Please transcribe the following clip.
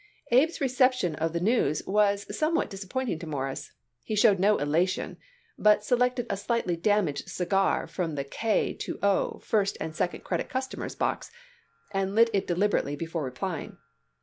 Abe's reception of the news was somewhat disappointing to Morris. He showed no elation, but selected a slightly damaged cigar from the K. to O. first and second credit customers' box, and lit it deliberately before replying.